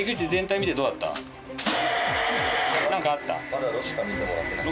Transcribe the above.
まだ炉しか見てもらってなくて。